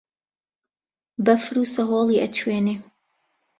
بەفر و سەهۆڵی ئەتوێنێ